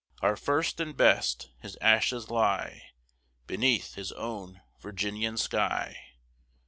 Our first and best! his ashes lie Beneath his own Virginian sky.